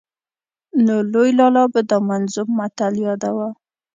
نو لوی لالا به دا منظوم متل ياداوه.